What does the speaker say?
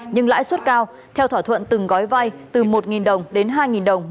nhưng lãi suất cao theo thỏa thuận từng gói vai từ một đồng đến hai đồng